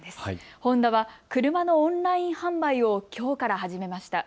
ホンダは車のオンライン販売をきょうから始めました。